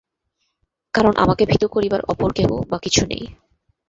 কারণ আমাকে ভীত করিবার অপর কেহ বা কিছু নাই।